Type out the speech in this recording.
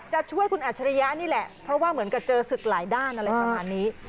จะช่วยคุณอัจฉริยะนี่แหละเพราะว่าเหมือนกับเจอศึกหลายด้านอะไรประมาณนี้